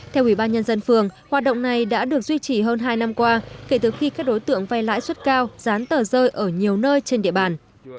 theo ubnd phường hoạt động này đã được duy trì hơn hai năm qua kể từ khi các đối tượng vay lãi suất cao dán tờ rơi ở nhiều nơi trên địa bàn